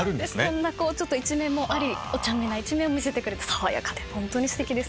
そんな一面もありおちゃめな一面も見せてくれて爽やかでホントにすてきです。